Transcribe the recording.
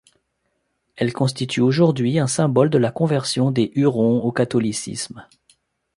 Elle constitue aujourd'hui, un symbole de la conversion des Hurons au catholicisme.